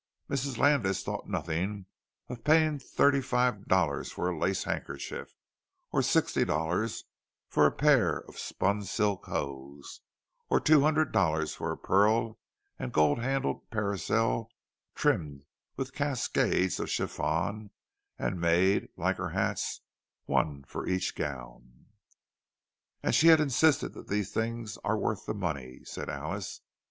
Mrs. Landis thought nothing of paying thirty five dollars for a lace handkerchief, or sixty dollars for a pair of spun silk hose, or two hundred dollars for a pearl and gold handled parasol trimmed with cascades of chiffon, and made, like her hats, one for each gown. "And she insists that these things are worth the money," said Alice.